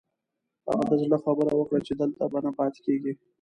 هغه د زړه خبره وکړه چې دلته به نه پاتې کېږي.